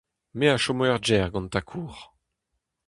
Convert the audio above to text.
Me a chomo er gêr gant tad-kozh !